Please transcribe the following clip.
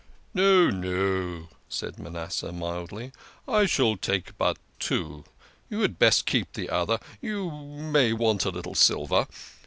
" No, no," said Manasseh mildly, " I shall take but two. You had best keep the other you may want a little silver."